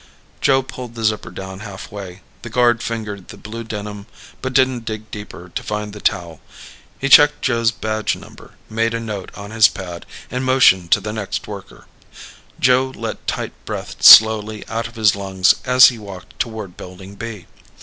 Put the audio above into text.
Joe pulled the zipper down halfway. The guard fingered the blue denim but didn't dig deeper to find the towel. He checked Joe's badge number, made a note on his pad, and motioned to the next worker. Joe let tight breath slowly out of his lungs as he walked toward Building B.